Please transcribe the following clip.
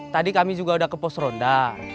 tadi kami juga sudah ke pos ronda